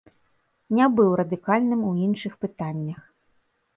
Не быў радыкальным у іншых пытаннях.